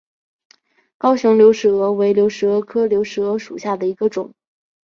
高雄流石蛾为流石蛾科流石蛾属下的一个种。